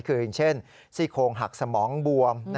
คืออย่างเช่นซี่โครงหักสมองบวม